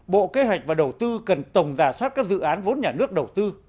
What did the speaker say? bộ kế hoạch và đầu tư cần tổng giả soát các dự án vốn nhà nước đầu tư